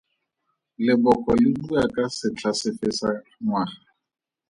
Leboko le bua ka setlha sefe sa ngwaga?